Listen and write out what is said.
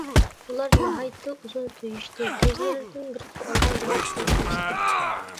ئۇلار ناھايىتى ئۇزۇن سۆيۈشتى، كۆزلىرىدىن بىر سوئالغا جاۋاب ئىزدەشتى.